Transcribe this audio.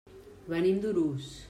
Venim d'Urús.